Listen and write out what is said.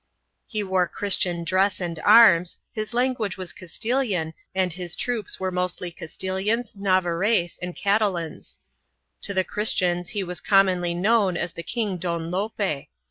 He wore Christian dress and arms, his language was Castilian and his troops wrere mostly Castilians, Navarrese and Catalans. To the Christians he was commonly known as the king Don Lope.